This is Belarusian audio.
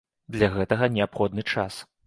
Для гэтага неабходны час.